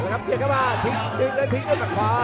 เอาละครับเบียดเข้ามาทิ้งทิ้งแล้วทิ้งด้วยฝั่งขวา